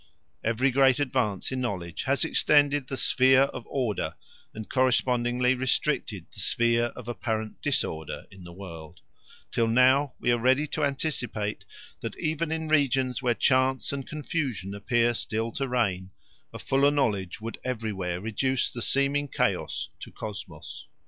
Every great advance in knowledge has extended the sphere of order and correspondingly restricted the sphere of apparent disorder in the world, till now we are ready to anticipate that even in regions where chance and confusion appear still to reign, a fuller knowledge would everywhere reduce the seeming chaos to cosmos.